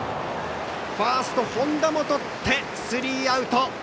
ファースト本田もとってスリーアウト！